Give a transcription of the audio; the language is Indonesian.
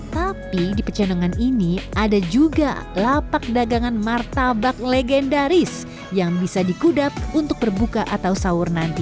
tapi di pecendongan ini ada juga lapak dagangan martabak legendaris yang bisa dikudap untuk berbuka atau sahur nanti